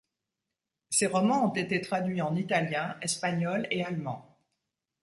Ses romans ont été traduits en italien, espagnol et allemand.